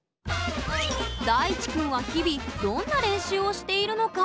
大智くんは日々どんな練習をしているのか？